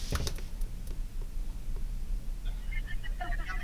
Está cubierta por selva tropical, bosques de montaña, miombo y praderas.